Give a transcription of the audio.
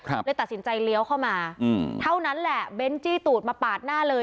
เลยตัดสินใจเลี้ยวเข้ามาอืมเท่านั้นแหละเบ้นจี้ตูดมาปาดหน้าเลย